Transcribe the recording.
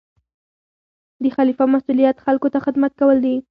د خلیفه مسؤلیت خلکو ته خدمت کول دي.